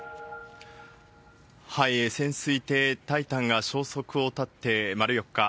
潜水艇タイタンが消息を絶って丸４日。